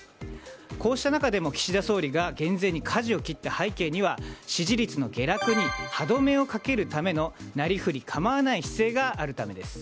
こうした中でも岸田総理が減税にかじを切った背景には支持率の下落に歯止めをかけるためのなりふり構わない姿勢があるためです。